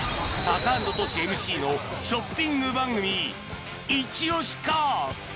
タカアンドトシＭＣのショッピング番組「イチ押しかっ！」